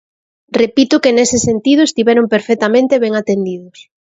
Repito que nese sentido estiveron perfectamente ben atendidos.